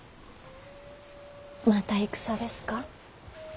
また戦ですか。